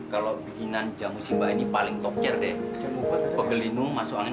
kamu belum makan kan